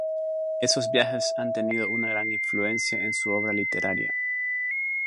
Esos viajes han tenido una gran influencia en su obra literaria.